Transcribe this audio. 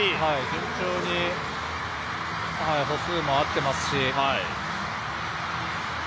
順調に歩数も合ってますし。